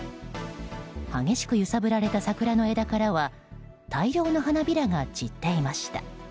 激しく揺さぶられた桜の枝からは大量の花びらが散っていました。